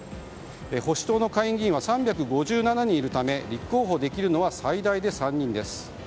保守党の下院議員は３５７人いるため立候補できるのは最大で３人です。